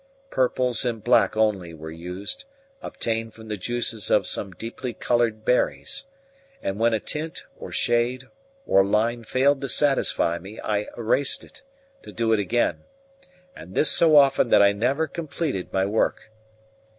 Purples and black only were used, obtained from the juices of some deeply coloured berries; and when a tint, or shade, or line failed to satisfy me I erased it, to do it again; and this so often that I never completed my work.